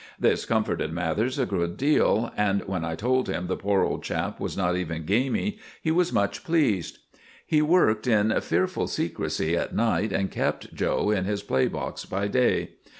This comforted Mathers a good deal, and when I told him the poor old chap was not even gamey, he was much pleased. He worked in fearful secrecy at night, and kept 'Joe' in his play box by day.